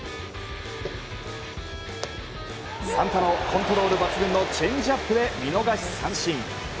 サンタナのコントロール抜群のチェンジアップで見逃し三振。